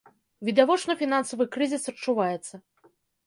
Відавочна, фінансавы крызіс адчуваецца.